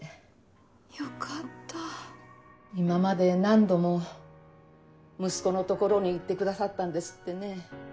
よかった今まで何度も息子の所に行ってくださったんですってね。